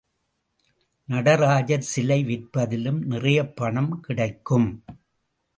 நடராஜர் சிலை விற்பதிலும் நிறையப் பணம் கிடைக்கும்.